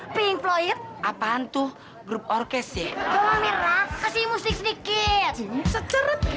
pink floyd apaan tuh grup orkestri kasih musik sedikit